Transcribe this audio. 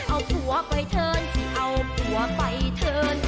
เอาผัวไปเถินเอาผัวไปเถิน